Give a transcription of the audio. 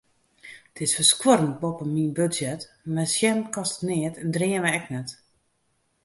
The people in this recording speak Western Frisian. It is ferskuorrend boppe myn budzjet, mar sjen kostet neat en dreame ek net.